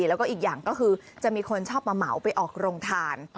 แล้วก็อีกอย่างก็คือจะมีคนชอบมาเหมาไปออกโรงทาน